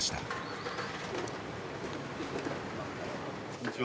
こんにちは。